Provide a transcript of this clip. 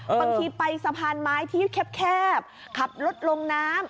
บางทีไปสะพานไม้ที่แคบขับรถลงน้ำ